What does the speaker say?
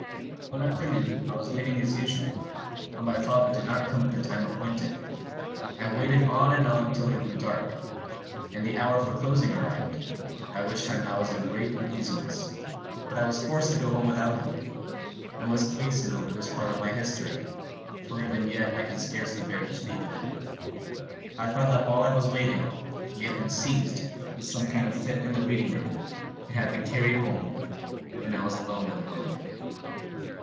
"One afternoon I was waiting as usual, but my father did not come at the time appointed. I waited on and on till it grew dark, and the hour for closing arrived, by which time I was in great uneasiness; but I was forced to go home without him. I must hasten over this part of my history, for even yet I can scarcely bear to speak of it. I found that while I was waiting, he had been seized with some kind of fit in the reading room, and had been carried home, and that I was alone in the world.